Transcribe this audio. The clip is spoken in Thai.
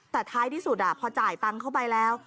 แต่ท้ายที่สุดพอจ่ายตังค์เข้าไปแล้ว